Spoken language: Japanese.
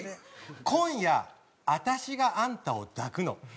今夜私があんたを抱くの。